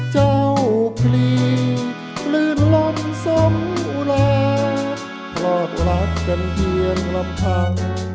เจ้าฟรีผลื่นล่มสำโหลาปลอดรักกันเพียงลำพัง